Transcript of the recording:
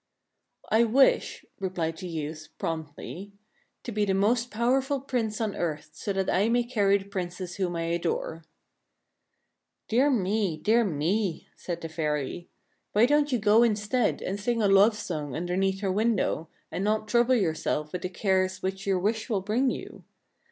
" I wish," replied the youth, promptly, " to be the most powerful Prince on earth, so that I may marry the Princess whom I adore." " Dear me, dear me !" said the fairy. " Why don't you go instead, and sing a love song underneath her window, and not trouble yourself with the cares which your wish will bring you